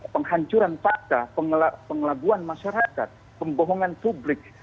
penghancuran fakta pengelabuan masyarakat pembohongan publik